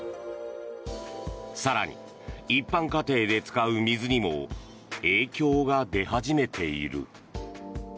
更に一般家庭で使う水にも影響が出始めている。